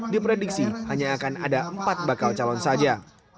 diprediksi hanya akan ada empat bakal calon saja